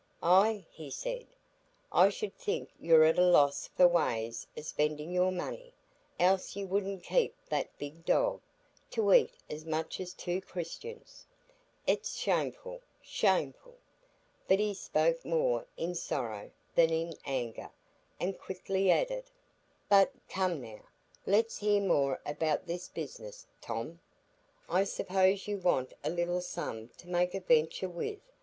"Ah," he said, "I should think you're at a loss for ways o' spending your money, else you wouldn't keep that big dog, to eat as much as two Christians. It's shameful—shameful!" But he spoke more in sorrow than in anger, and quickly added: "But, come now, let's hear more about this business, Tom. I suppose you want a little sum to make a venture with.